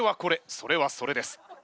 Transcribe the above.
それはそれです。